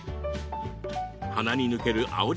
鼻に抜ける青じ